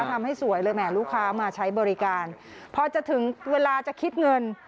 ทำให้สวยเลยแหมลูกค้ามาใช้บริการพอจะถึงเวลาจะคิดเงิน